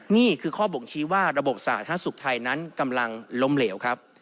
นี่คือข้อบ่งชี้ว่าระบบสาธารณสุขไทยนั้นกำลังล้มเหลวครับ